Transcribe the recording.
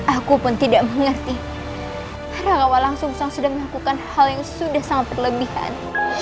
aku pun tidak mengerti rangawa langsung sudah melakukan hal yang sudah sangat berlebihan